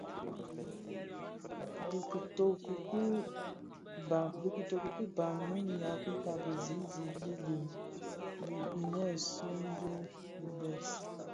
Dhi kitoň ki bhan mu u Africa Bizizig bii dhi binèsun bii bi bès.